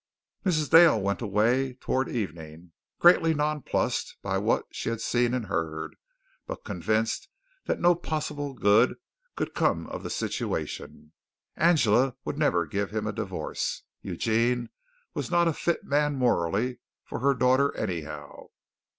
Mrs. Dale went away toward evening, greatly nonplussed by what she had seen and heard, but convinced that no possible good could come of the situation. Angela would never give him a divorce. Eugene was not a fit man morally for her daughter, anyhow.